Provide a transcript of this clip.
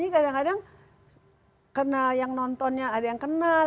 karena yang nontonnya ada yang kenal